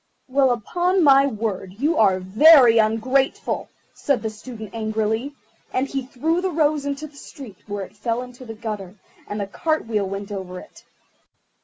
"Well, upon my word, you are very ungrateful," said the Student angrily; and he threw the rose into the street, where it fell into the gutter, and a cart wheel went over it.